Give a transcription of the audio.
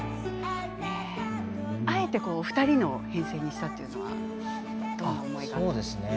あえて２人の編成にしたというのはどんな思いがあったんですか。